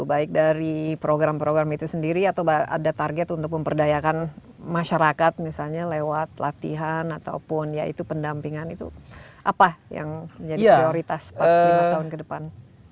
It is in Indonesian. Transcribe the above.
baik dari program program itu sendiri atau ada target untuk memperdayakan masyarakat misalnya lewat latihan ataupun ya itu pendampingan itu apa yang menjadi prioritas empat lima tahun ke depan